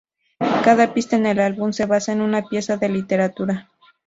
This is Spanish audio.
Cada pista en el álbum se basa en una pieza de literatura.